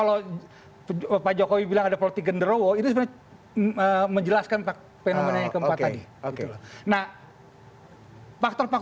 saya sudah banyak